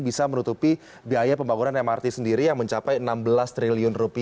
bisa menutupi biaya pembangunan mrt sendiri yang mencapai rp enam belas triliun